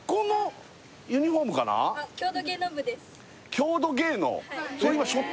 郷土芸能？